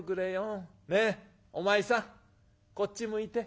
ねえお前さんこっち向いて。